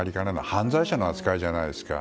犯罪者の扱いじゃないですか。